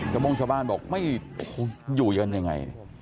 ชะมงชาวบ้านบอกไม่อยู่อย่างไร